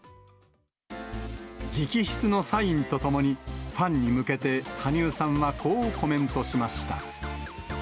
直筆のサインとともにファンに向けて、羽生さんはこうコメントしました。